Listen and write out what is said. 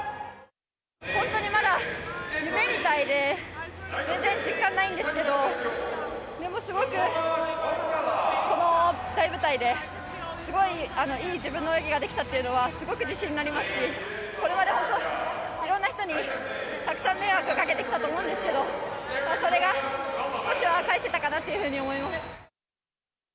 本当にまだ夢みたいで、全然実感ないんですけど、でもすごく、この大舞台で、すごいいい自分の泳ぎができたっていうのはすごく自信になりますし、これまで本当、いろんな人にたくさん迷惑かけてきたと思うんですけど、それが少しは返せたかなというふうに思います。